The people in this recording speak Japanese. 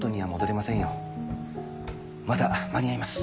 まだ間に合います。